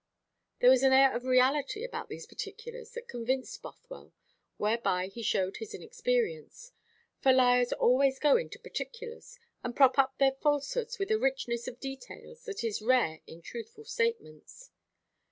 There was an air of reality about these particulars that convinced Bothwell, whereby he showed his inexperience; for liars always go into particulars, and prop up their falsehoods with a richness of detail that is rare in truthful statements.